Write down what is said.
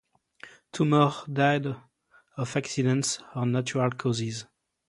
Two more died of accidents or natural causes.